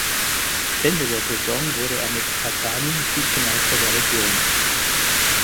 Ende der Saison wurde er mit Pattani Vizemeister der Region.